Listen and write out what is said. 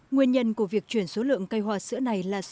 nguyên nhân của việc chuyển số lượng cây hoa sữa là bởi khi vào mùa hoa sữa